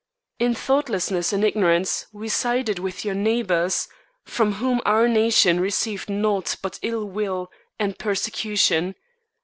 In thoughtlessness and ignorance we sided with your neighbours, from whom our nation received naught but ill will and persecution.